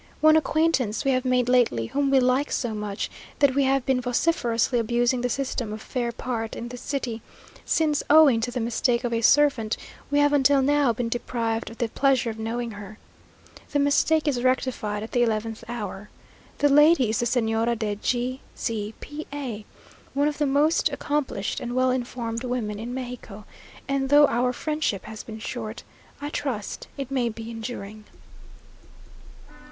One acquaintance we have made lately, whom we like so much, that we have been vociferously abusing the system of faire part in this city, since, owing to the mistake of a servant, we have until now been deprived of the pleasure of knowing her. The mistake is rectified at the eleventh hour. The lady is the Señora de G z P a, one of the most accomplished and well informed women in Mexico; and though our friendship has been short, I trust it may be enduring.